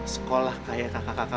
sekolah kaya kakak kakak